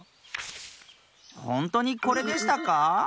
ほんとにこれでしたか？